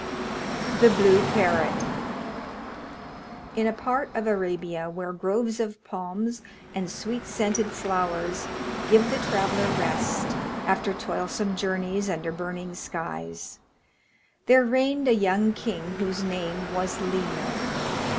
THE BLUE PARROT In a part of Arabia where groves of palms and sweet scented flowers give the traveller rest after toilsome journeys under burning skies, there reigned a young king whose name was Lino.